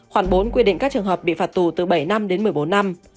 khoảng bốn quy định các trường hợp bị phạt tù từ bảy năm đến một mươi bốn năm